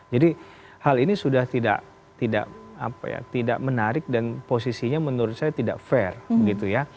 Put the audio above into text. jadi hal ini sudah tidak menarik dan posisinya menurut saya tidak fair begitu ya